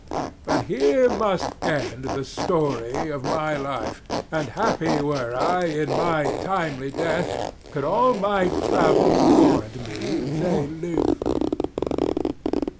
But here must end the story of my life; And happy were I in my timely death, Could all my travels warrant me they live. 140 _Duke.